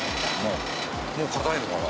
もう固いのかな？